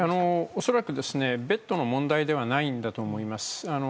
恐らくベッドの問題ではないのだと思う。